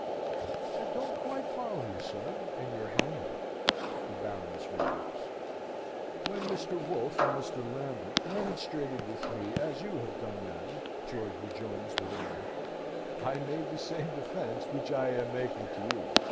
"I don't quite follow you, sir, and your Hannibal," the Baroness remarks. "When Mr. Wolfe and Mr. Lambert remonstrated with me as you have done, madam," George rejoins, with a laugh, "I made this same defence which I am making to you.